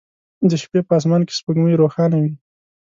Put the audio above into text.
د شپې په اسمان کې سپوږمۍ روښانه وي